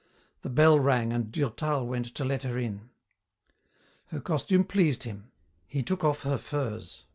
The bell rang and Durtal went to let her in. Her costume pleased him. He took off her furs.